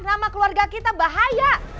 nama keluarga kita bahaya